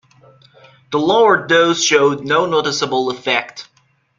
The lower dose showed no noticeable effect.